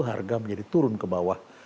harga menjadi turun ke bawah